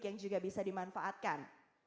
yang juga bisa dimanfaatkan